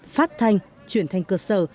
phát thanh truyền thanh cơ sở